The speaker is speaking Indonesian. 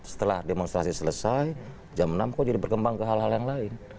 setelah demonstrasi selesai jam enam kok jadi berkembang ke hal hal yang lain